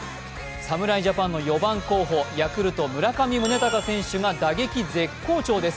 侍ジャパンの４番候補ヤクルト・村上宗隆選手が打撃絶好調です。